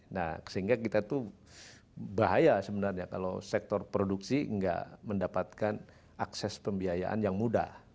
nah sehingga kita tuh bahaya sebenarnya kalau sektor produksi nggak mendapatkan akses pembiayaan yang mudah